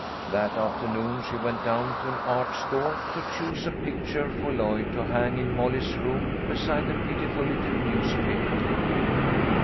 That afternoon she went down to an art store to choose a picture for Lloyd to hang in Molly's room beside the pitiful little newspaper clipping.